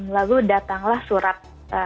lalu datanglah surat